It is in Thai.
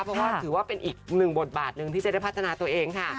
เพราะว่าถือว่าเป็นอีก๑บทบาท๑ที่จะได้พัฒนาตัวเอง